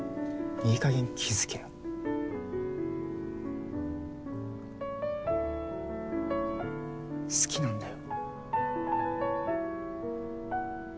いい加減気づけよ好きなんだよ